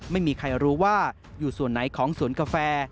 ไม่มีใครรู้ว่าอยู่ส่วนไหนของสวนกาแฟ